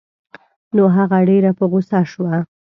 نو هغه ډېره په غوسه شوه.